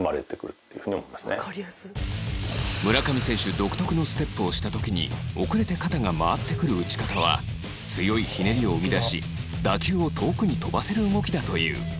独特のステップをした時に遅れて肩が回ってくる打ち方は強いひねりを生み出し打球を遠くに飛ばせる動きだという